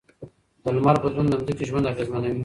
د لمر بدلون د ځمکې ژوند اغېزمنوي.